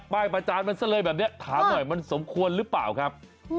ประจานมันซะเลยแบบนี้ถามหน่อยมันสมควรหรือเปล่าครับ